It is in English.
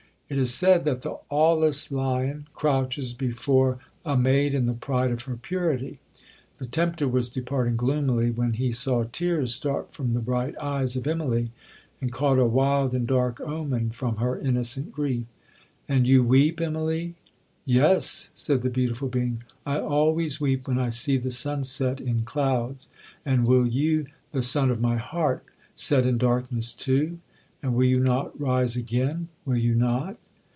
It is said, that the 'awless lion' crouches before 'a maid in the pride of her purity.' The tempter was departing gloomily, when he saw tears start from the bright eyes of Immalee, and caught a wild and dark omen from her innocent grief. 'And you weep, Immalee?' 'Yes,' said the beautiful being, 'I always weep when I see the sun set in clouds; and will you, the sun of my heart, set in darkness too? and will you not rise again? will you not?'